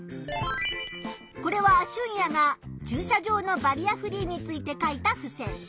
これはシュンヤが駐車場のバリアフリーについて書いたふせん。